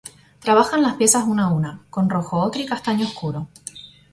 Trabaja las piezas una a una, con rojo ocre y castaño oscuro.